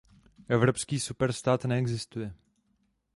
Evropský superstát neexistuje!